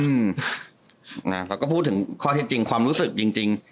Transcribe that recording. วันนี้เขาพูดถึงข้อเท็จจริงความรู้สึกจริง